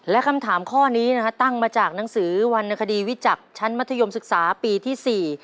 และคำถามข้อนี้นะฮะตั้งมาจากหนังสือวรรณคดีวิจักษ์ชั้นมัธยมศึกษาปีที่สี่